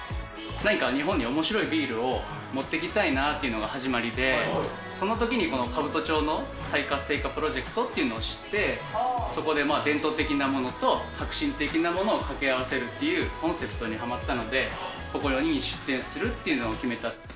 何か日本におもしろいビールを持ってきたいなというのが始まりで、そのときにこの兜町の再活性化プロジェクトっていうのを知って、そこで伝統的なものと、革新的なものを掛け合わせるっていうコンセプトにはまったので、ここに出店するというのを決めた。